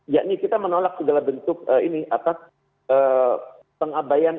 yakni kita menolak segala bentuk ini atas pengabayan